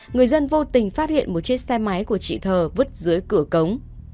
người dân vô tình phát hiện một chiếc xe máy của chị thờ vứt dưới cửa cống